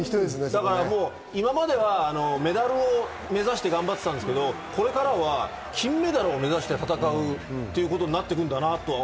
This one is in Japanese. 今まではメダルを目指して頑張っていたんですが、これからは金メダルを目指して戦うっていうことになるんだなぁって。